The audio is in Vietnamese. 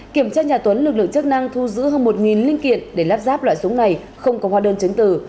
kiểm tra nhà tuấn lực lượng chức năng thu giữ hơn một linh kiện để lắp ráp loại súng này không có hóa đơn chứng từ